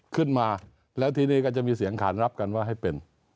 ขึ้นมาแล้วทีนี้ก็จะมีเสียงขานรับกันว่าให้เป็น